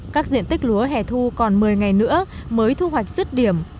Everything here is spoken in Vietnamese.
các diện tích lúa hẻ thu còn một mươi ngày nữa mới thu hoạch rứt điểm